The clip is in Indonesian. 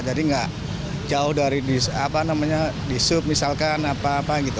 jadi nggak jauh dari di sup misalkan apa apa gitu